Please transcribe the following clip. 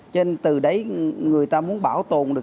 cho nên từ đấy người ta muốn bảo tồn được